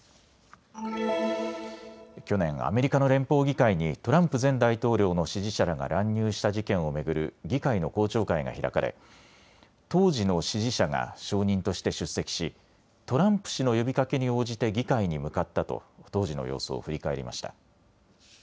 去年、アメリカの連邦議会にトランプ前大統領の支持者らが乱入した事件を巡る議会の公聴会が開かれ、当時の支持者が証人として出席しトランプ氏の呼びかけに応じて議会に向かったと当時の様子を振り返りました。